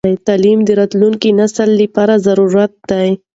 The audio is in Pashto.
تعليم د راتلونکي نسل لپاره ضروري دی.